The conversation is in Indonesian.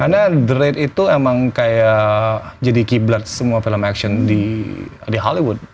karena the rate itu emang kayak jadi key blood semua film action di hollywood